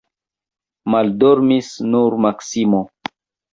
Maldormis nur Maksimo.